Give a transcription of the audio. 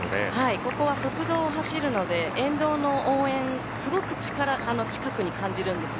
ここは側道を走るので沿道の応援、すごく近くに感じるんですね。